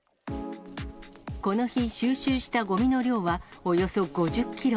この日、収集したごみの量はおよそ５０キロ。